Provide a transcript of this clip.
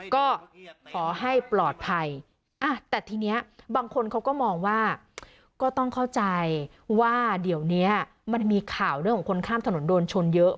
ก็ขอให้ปลอดภัยแต่ทีนี้บางคนเขาก็มองว่าก็ต้องเข้าใจว่าเดี๋ยวนี้มันมีข่าวเรื่องของคนข้ามถนนโดนชนเยอะ